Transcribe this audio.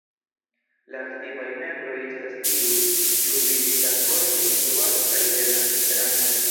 La aktivaj membroj estas tiuj, kiuj vizitas horojn de instruado kaj lernas Esperanton.